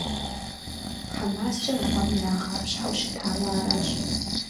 ХьэмаскӀэр гъуэм ирагъапщхьэу щытауэ аращ.